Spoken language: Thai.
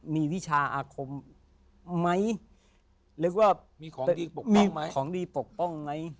มีวิชาอาคมไหมนึกว่ามีของดีปกป้องไหมของดีปกป้องไหม